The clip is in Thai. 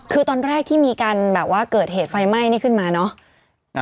คือตอนแรกที่มีการแบบว่าเกิดเหตุไฟไหม้นี่ขึ้นมาเนอะ